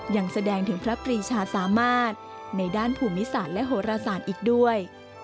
ยังแสดงถึงพระปรีชาสามารถในด้านภูมิศาสตร์และโหรศาสตร์อีกด้วย